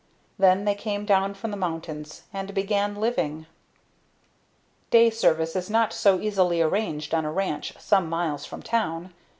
Then they came down from the mountains and began living. Day service is not so easily arranged on a ranch some miles from town.